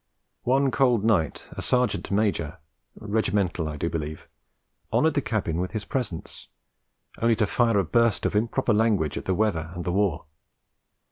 One cold night a Sergeant Major Regimental, I do believe honoured the cabin with his presence, only to fire a burst of improper language at the weather and the war.